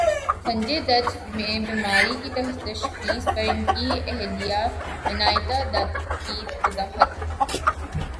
سنجے دت میں بیماری کی تشخیص پر ان کی اہلیہ منائتا دت کی وضاحت